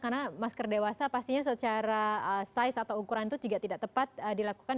karena masker dewasa pastinya secara size atau ukuran itu juga tidak tepat dilakukan